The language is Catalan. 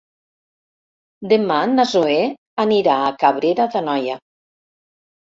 Demà na Zoè anirà a Cabrera d'Anoia.